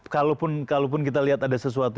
kalaupun kita lihat ada sesuatu